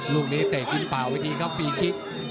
ลูกนี้เตะกินเปล่าทีเขาพลีคิก